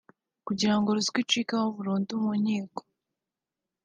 Kugira ngo ruswa icike burundu mu nkiko